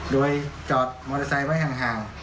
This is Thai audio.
โดยจอดมอเตอร์ไซค์ไว้ห่าง